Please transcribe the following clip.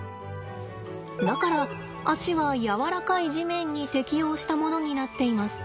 だから足は柔らかい地面に適応したものになっています。